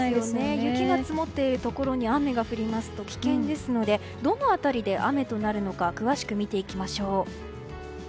雪が積もっているところに雨が降りますと危険ですのでどの辺りで雨となるのか詳しく見ていきましょう。